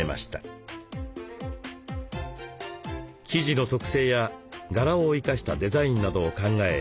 生地の特性や柄を生かしたデザインなどを考え